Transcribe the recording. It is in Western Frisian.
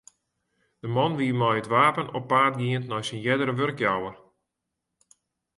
De man wie mei it wapen op paad gien nei syn eardere wurkjouwer.